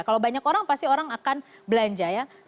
kalau banyak orang pasti orang akan belanja ya